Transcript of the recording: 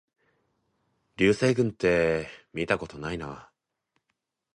流星群ってみたことないな